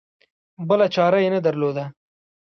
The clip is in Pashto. بله چاره یې نه درلوده.